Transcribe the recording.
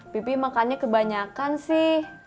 pipi makannya kebanyakan sih